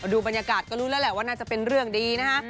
ดูบรรยากาศก็รู้แล้วแหละว่าน่าจะเป็นเรื่องดีนะคะ